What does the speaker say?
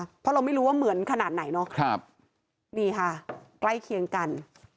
เพราะเราไม่รู้ว่าเหมือนขนาดไหนเนาะนี่ค่ะใกล้เคียงกัน